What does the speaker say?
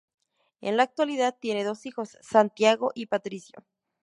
En la actualidad, tiene dos hijos, Santiago y Patricio.